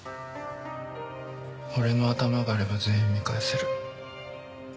俺の頭があれば全員見返せる。